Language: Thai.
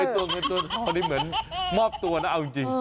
ตัวนี้เหมือนมอบตัวนะเอาจริง